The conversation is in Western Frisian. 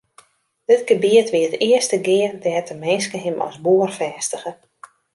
Dit gebiet wie it earste gea dêr't de minske him as boer fêstige.